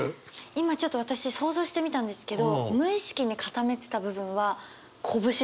今ちょっと私想像してみたんですけど無意識に堅めてた部分は拳でした。